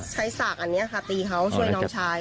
สากอันนี้ค่ะตีเขาช่วยน้องชาย